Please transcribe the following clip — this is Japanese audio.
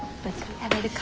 食べるか。